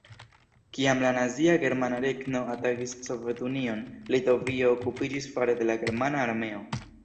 Kiam la nazia Germana Regno atakis Sovetunion, Litovio okupiĝis fare de la germana armeo.